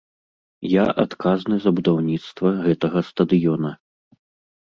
Я адказны за будаўніцтва гэтага стадыёна.